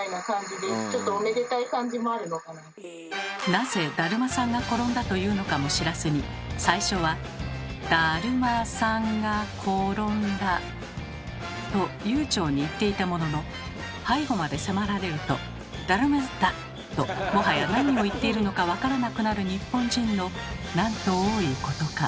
なぜ「だるまさんがころんだ」というのかも知らずに最初は「だるまさんがころんだ」と悠長に言っていたものの背後まで迫られると「だるむすっだ！」ともはや何を言っているのか分からなくなる日本人のなんと多いことか。